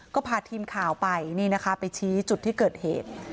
ก็พาทีมข่าวไปนี่นะคะไปชี้จุดที่เกิดเหตุ